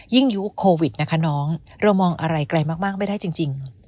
ยุคโควิดนะคะน้องเรามองอะไรไกลมากไม่ได้จริง